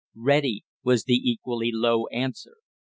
"Ready!" was the equally low answer.